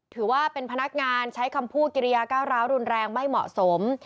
ถือว่าเป็นพนักงานใช้คำพูดกิริยาก้าวร้าวรุนแรงไม่เหมาะสม